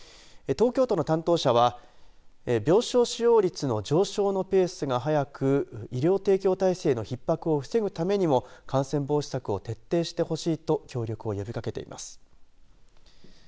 東京都の担当者は病床使用率の上昇のペースが速く医療提供体制のひっ迫を防ぐためにも感染防止策を徹底してほしいと協力を呼びかけています。